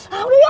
hah udah ya